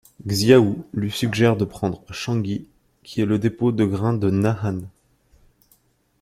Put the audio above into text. Xiahou lui suggère de prendre Shanggui, qui est le dépôt de grain de Nan'an.